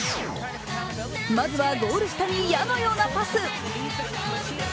まずはゴール下に矢のようなパス。